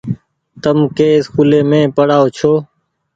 تم ڪي اسڪولي مين پڙآئو ڇو ۔